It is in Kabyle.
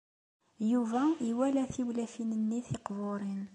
Yuba iwala tiwlafin-nni tiqburin.